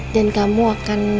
dan kamu akan